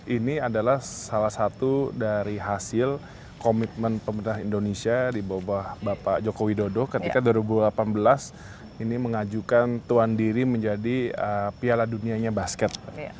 ini adalah salah satu dari hasil komitmen pemerintah indonesia di bawah bapak joko widodo ketika dua ribu delapan belas ini mengajukan tuan diri menjadi piala dunianya basket